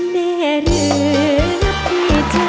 เพลงที่๓มูลค่า๔๐๐๐๐บาท